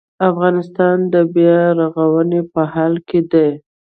افغانستان د بیا رغونې په حال کې دی